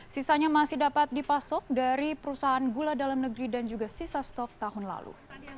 sisanya masih dapat dipasok dari perusahaan gula dalam negeri dan juga sisa stok tahun lalu